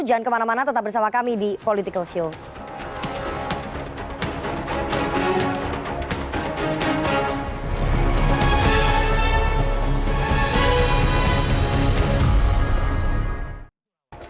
jangan kemana mana tetap bersama kami di political show